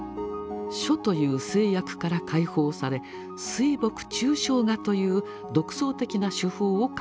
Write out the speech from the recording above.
「書」という制約から解放され「水墨抽象画」という独創的な手法を確立したのです。